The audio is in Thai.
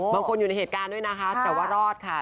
อยู่ในเหตุการณ์ด้วยนะคะแต่ว่ารอดค่ะ